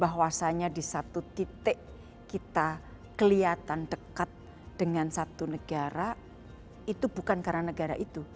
bahwasanya di satu titik kita kelihatan dekat dengan satu negara itu bukan karena negara itu